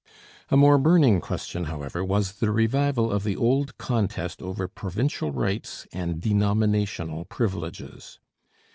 A more burning question, however, was the revival of the old contest over provincial rights and denominational privileges.